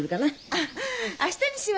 あっ明日にします。